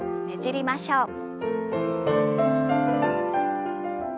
ねじりましょう。